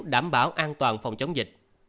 đảm bảo an toàn phòng chống dịch